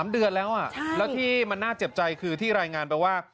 ๓เดือนแล้วแล้วที่มันน่าเจ็บใจคือที่รายงานไปว่า